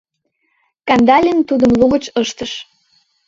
Кандалин тудым лугыч ыштыш: